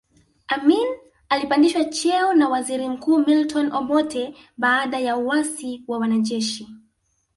Amin alipandishwa cheo na waziri mkuu Milton Obote baada ya uasi wa wanajeshi